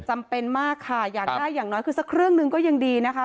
จำเป็นมากค่ะอยากได้อย่างน้อยคือสักเครื่องหนึ่งก็ยังดีนะคะ